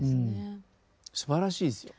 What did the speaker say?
すばらしいですよ。